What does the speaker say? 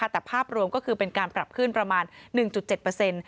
แต่ภาพรวมก็คือเป็นการปรับขึ้นประมาณ๑๗